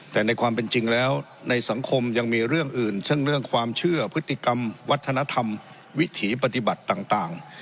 แต่ในความเป็นจริงแล้วในสังคมยังมีเรื่องอื่นเช่นเรื่องความเชื่อพฤติกรรมวัฒนธรรมวิถีปฏิบัติต่าง